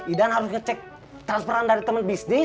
idan harus ngecek transferan dari teman bisnis